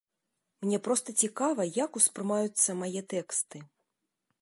Мне проста цікава, як успрымаюцца мае тэксты.